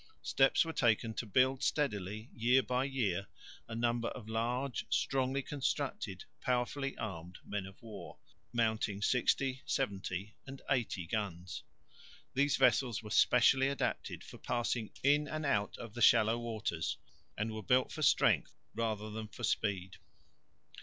Steps were taken to build steadily year by year a number of large, strongly constructed, powerfully armed men of war, mounting 60,70 and 80 guns. These vessels were specially adapted for passing in and out of the shallow waters and were built for strength rather than for speed.